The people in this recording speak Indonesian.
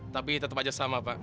tapi tetap saja sama pak